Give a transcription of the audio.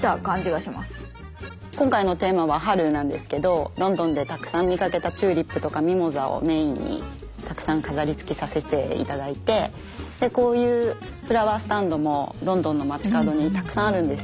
ほんとにロンドンでたくさん見かけたチューリップとかミモザをメインにたくさん飾りつけさせて頂いてこういうフラワースタンドもロンドンの街角にたくさんあるんですよ。